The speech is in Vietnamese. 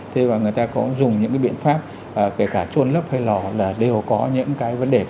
thế và người ta có dùng những cái biện pháp kể cả trôn lớp hay lò là đều có những cái